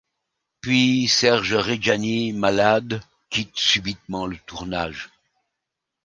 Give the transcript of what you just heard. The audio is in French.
Puis Serge Reggiani, malade, quitte subitement le tournage.